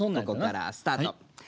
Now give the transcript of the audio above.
ここからスタート。